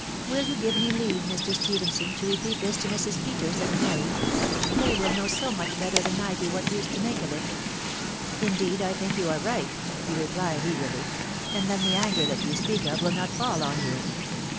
" Will you give me leave, Mr. Stephenson, to repeat this to Mrs. Peters and Mary ?.... They will know so much better than I do what use to make of it." " Indeed 1 think you are right/' he replied eagerly, *f and then the anger that you speak of, will not fall on you."